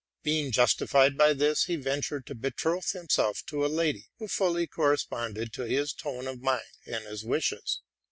Being justified by this, he ventured to betroth himself to a lady, who fully corresponded to his tone of mind and his wishes.